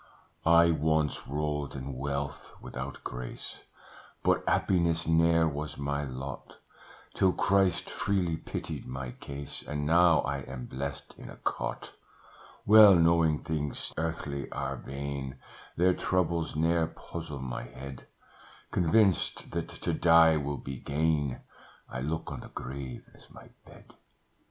"I once rolled in wealth, without grace, But happiness ne'er was my lot, Till Christ freely pitied my case, And now I am blest in a cot: Well knowing things earthly are vain, Their troubles ne'er puzzle my head; Convinced that to die will be gain, I look on the grave as my bed.